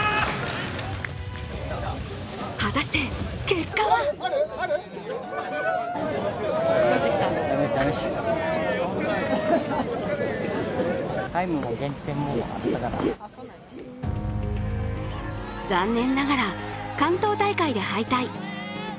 果たして結果は残念ながら関東大会で敗退。